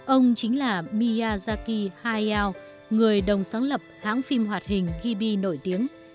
ông chính là miyazaki hayao người đồng sáng lập hãng phim hoạt hình gibi nổi tiếng